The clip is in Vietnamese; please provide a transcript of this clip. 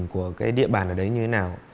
của cái địa bàn ở đấy như thế nào